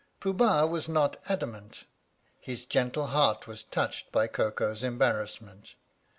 Pooh Bah was not adamant. His gentle heart was touched by Koko's embarrassment.